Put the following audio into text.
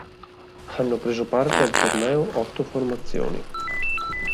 Hanno preso parte al torneo otto formazioni.